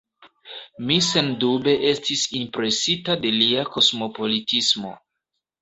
Mi sendube estis impresita de lia kosmopolitismo.